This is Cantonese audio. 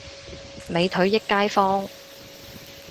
美腿益街坊